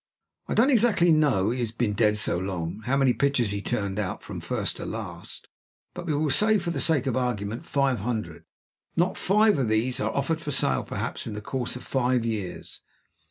I don't exactly know (he has been dead so long) how many pictures he turned out, from first to last; but we will say, for the sake of argument, five hundred. Not five of these are offered for sale, perhaps, in the course of five years.